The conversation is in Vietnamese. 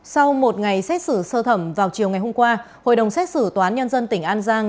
sau một ngày xét xử sơ thẩm vào chiều ngày hôm qua hội đồng xét xử tòa án nhân dân tỉnh an giang